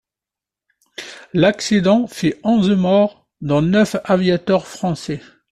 L'accident fait onze morts dont neuf aviateurs français.